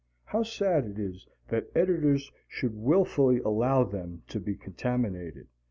(How sad it is that editors should wilfully allow them to be contaminated!